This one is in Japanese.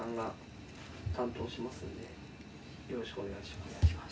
よろしくお願いします。